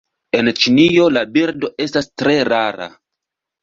En Ĉinio la birdo estas tre rara.